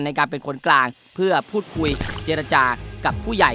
ในการเป็นคนกลางเพื่อพูดคุยเจรจากับผู้ใหญ่